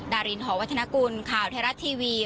ดารินหอวัฒนกุลข่าวไทยรัฐทีวี